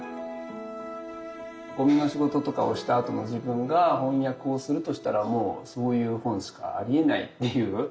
ゴミの仕事とかをしたあとの自分が翻訳をするとしたらもうそういう本しかありえないっていう。